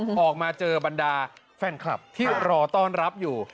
ออกมาเจอบรรดาแฟนคลับที่รอต้อนรับอยู่